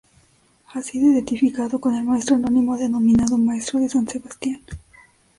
Ha sido identificado con el maestro anónimo denominado Maestro de San Sebastián.